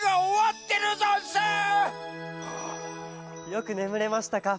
よくねむれましたか？